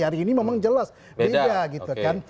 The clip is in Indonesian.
hari ini memang jelas beda